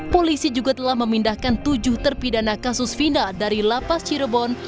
polisi juga telah memindahkan tujuh terpidana kasus final dari lapas cirebon